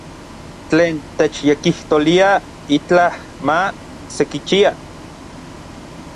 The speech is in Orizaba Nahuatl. Tlen techyekijtolia itlaj ma sekichia.